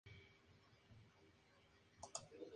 Es padre del saxofonista Joshua Redman.